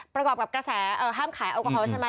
ประกอบกับกระแสห้ามขายแอลกอฮอลใช่ไหม